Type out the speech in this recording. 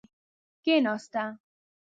کیناسته.